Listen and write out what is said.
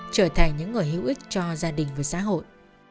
trở thành những người hữu ích cho gia đình và xã hội